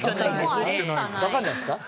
わかんないですか？